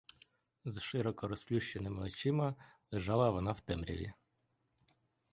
З широко розплющеними очима лежала вона в темряві.